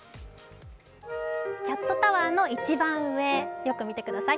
キャットタワーの一番上よく見てください。